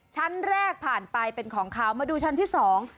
ชั้นแรกผ่านไปเป็นของเขามาดูชั้นที่สอง